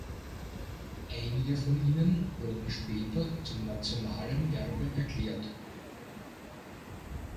Einige von ihnen wurden später zum nationalen Erbe erklärt.